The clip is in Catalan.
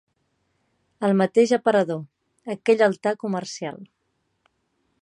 El mateix aparador, aquell altar comercial